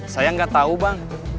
saya gak tahu bang